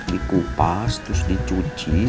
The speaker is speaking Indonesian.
dikupas terus dicuci